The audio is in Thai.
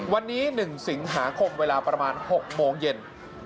วันนี้๑สิงหาคมเวลาประมาณ๖โมงเย็น